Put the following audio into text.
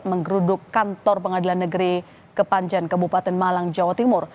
menggeruduk kantor pengadilan negeri kepanjan kabupaten malang jawa timur